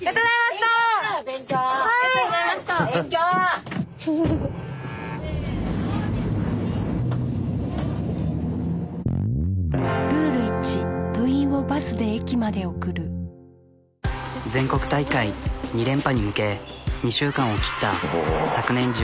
全国大会２連覇に向け２週間を切った昨年１２月。